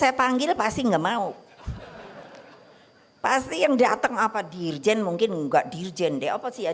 saya panggil pasti enggak mau pasti yang datang apa dirjen mungkin enggak dirjen deh apa sih ya